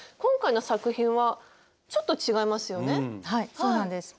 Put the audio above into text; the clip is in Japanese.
はいそうなんです。